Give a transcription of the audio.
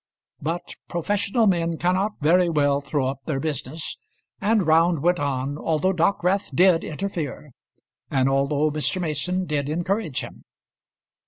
But professional men cannot very well throw up their business, and Round went on, although Dockwrath did interfere, and although Mr. Mason did encourage him.